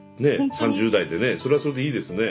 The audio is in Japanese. ３０代でねそれはそれでいいですね。